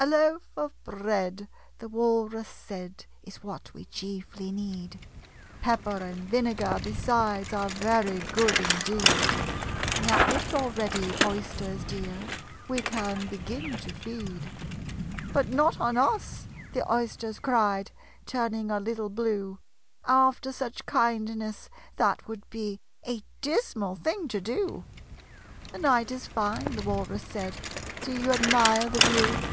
"A loaf of bread," the Walrus said, "Is what we chiefly need: Pepper and vinegar besides Are very good indeed Now, if you're ready, Oysters dear, We can begin to feed." "But not on us," the Oysters cried, Turning a little blue. "After such kindness, that would be A dismal thing to do!" "The night is fine," the Walrus said. "Do you admire the view?